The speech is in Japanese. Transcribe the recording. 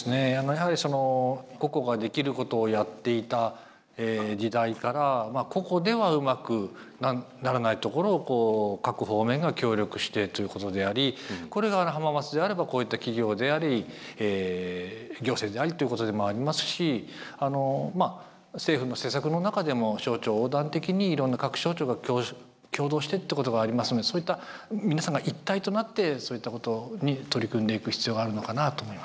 やはり個々ができることをやっていた時代から個々ではうまくならないところをこう各方面が協力してということでありこれが浜松であればこういった企業であり行政でありっていうことでもありますしまあ政府の政策の中でも省庁横断的にいろんな各省庁が共同してってことがありますのでそういった皆さんが一体となってそういったことに取り組んでいく必要があるのかなあと思いました。